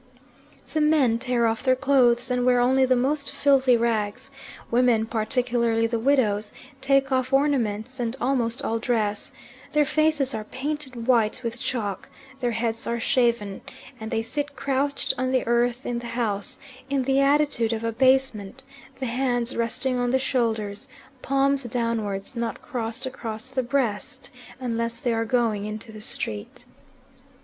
The men tear off their clothes and wear only the most filthy rags; women, particularly the widows, take off ornaments and almost all dress; their faces are painted white with chalk, their heads are shaven, and they sit crouched on the earth in the house, in the attitude of abasement, the hands resting on the shoulders, palm downwards, not crossed across the breast, unless they are going into the street.